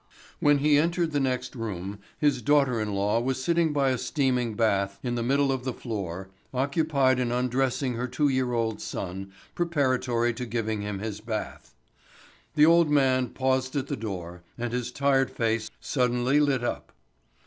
When he entered the next room, his daughter in law was sitting by a steaming bath in the middle of the floor, occupied in undressing her two year old son, preparatory to giving him his bath. The old man paused at the door, and his tired face suddenly lit up.